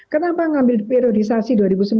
kenapa ngambil periodisasi dua ribu sembilan belas